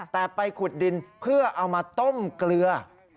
แต่ไปขุดดินเพื่อเอามาต้มเกลือ